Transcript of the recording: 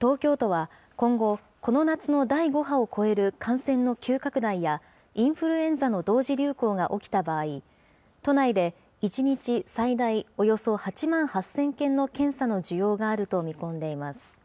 東京都は今後、この夏の第５波を超える感染の急拡大や、インフルエンザの同時流行が起きた場合、都内で１日最大およそ８万８０００件の検査の需要があると見込んでいます。